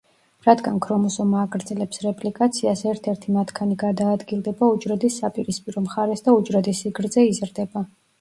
რადგან ქრომოსომა აგრძელებს რეპლიკაციას, ერთ-ერთი მათგანი გადაადგილდება უჯრედის საპირისპირო მხარეს და უჯრედის სიგრძე იზრდება.